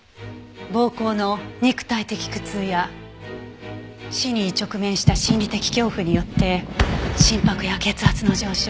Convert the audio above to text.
暴行の肉体的苦痛や死に直面した心理的恐怖によって心拍や血圧の上昇